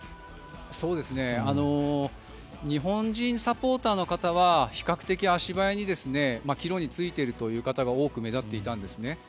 日本人サポーターの方は比較的、足早に帰路に就いているという方が多く目立っていたんです。